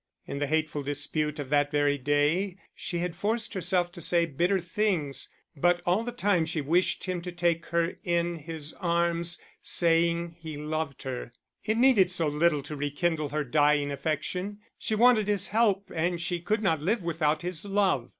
In the hateful dispute of that very day, she had forced herself to say bitter things, but all the time she wished him to take her in his arms, saying he loved her. It needed so little to rekindle her dying affection; she wanted his help and she could not live without his love.